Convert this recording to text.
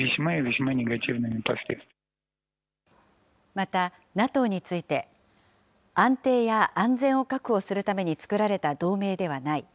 また、ＮＡＴＯについて、安定や安全を確保するために作られた同盟ではない。